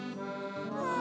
うん。